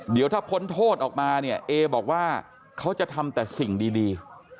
เดี๋ยวถ้าพ้นโทษออกมาเนี่ยเอบอกว่าเขาจะทำแต่สิ่งดี